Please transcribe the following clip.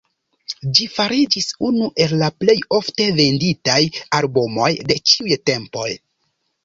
Ĝi fariĝis unu el la plej ofte venditaj albumoj de ĉiuj tempoj.